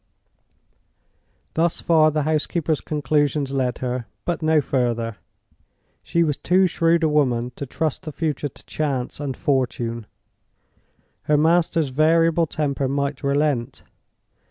Thus far the housekeeper's conclusions led her, but no further. She was too shrewd a woman to trust the future to chance and fortune. Her master's variable temper might relent.